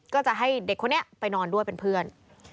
ก็จะให้เด็กคนนี้ไปนอนด้วยเป็นเพื่อน